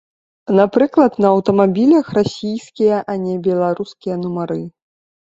Напрыклад, на аўтамабілях расійскія, а не беларускія нумары.